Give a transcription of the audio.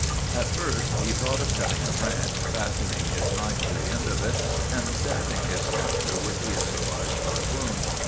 "At first he thought of cutting a branch, fastening his knife to the end of it, and stabbing his captor with the improvised harpoon.